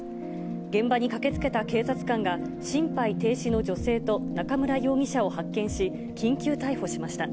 現場に駆けつけた警察官が、心肺停止の女性と中村容疑者を発見し、緊急逮捕しました。